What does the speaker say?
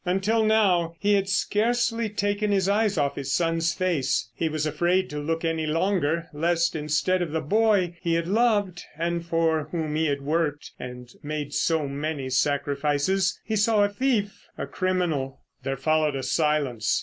Until now he had scarcely taken his eyes off his son's face. He was afraid to look any longer lest instead of the boy he had loved and for whom he had worked and made so many sacrifices—he saw a thief, a criminal. There followed a silence.